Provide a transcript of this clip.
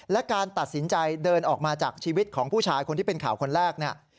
และการตัดสินใจเดินออกมาจากชีวิตของผู้ชายคนที่เป็นข่าวคนแรกเนี่ย